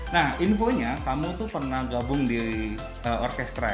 nah infonya kamu tuh pernah gabung di orkestra